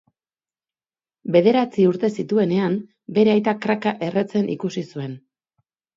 Bederatzi urte zituenean bere aita crac-a erretzen ikusten zuen.